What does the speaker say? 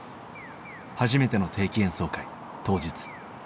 初めての定期演奏会当日。